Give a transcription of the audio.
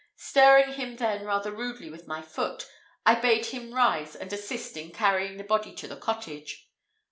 Stirring him then rather rudely with my foot, I bade him rise and assist in carrying the body to the cottage.